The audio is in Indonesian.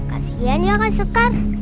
kasian ya kak sekar